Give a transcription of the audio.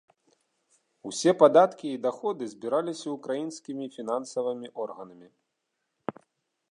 Усе падаткі і даходы збіраліся ўкраінскімі фінансавымі органамі.